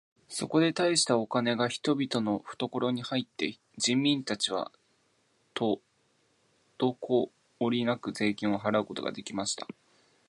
そこで大したお金が人々のふところに入って、人民たちはとどこおりなく税金を払うことが出来ました。